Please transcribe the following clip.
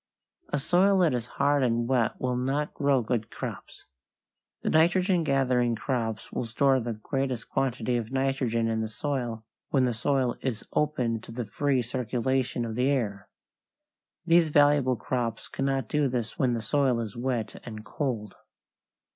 A soil that is hard and wet will not grow good crops. The nitrogen gathering crops will store the greatest quantity of nitrogen in the soil when the soil is open to the free circulation of the air. These valuable crops cannot do this when the soil is wet and cold.